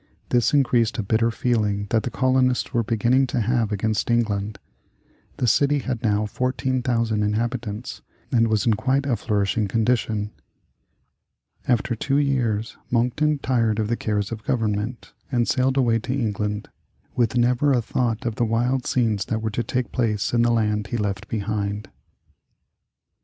This increased a bitter feeling that the colonists were beginning to have against England. The city had now 14,000 inhabitants and was in quite a flourishing condition. After two years Monckton tired of the cares of government, and sailed away to England, with never a thought of the wild scenes that were to take place in the land he left behind.